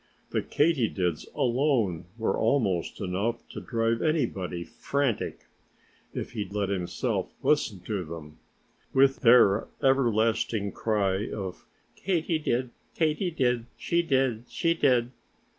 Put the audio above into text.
The Katydids alone were almost enough to drive anybody frantic if he let himself listen to them with their everlasting cry of Katy did, Katy did; she did, she did.